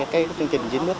cái chương trình dính nước